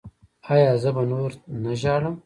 ایا زه به نور نه ژاړم؟